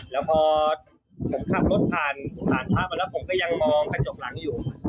แล้วพอผมขับรถผ่านผ่านพระมาแล้วผมก็ยังมองกระจกหลังอยู่